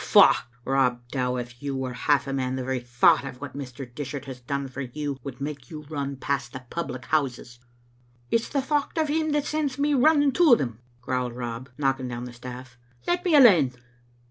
Faugh! Rob Dow, if you were half a man the very thought of what Mr. Dishart has done for you would make you run past the public houses." "It's the thocht o' him that sends me running to them," growled Rob, knocking down the staff. "Let me alane."